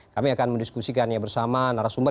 kami akan mendiskusikannya bersama narasumber